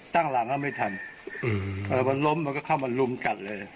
ตั้งหลังแล้วไม่ทันมันล้มมันก็เข้ามาลุมกัดเลย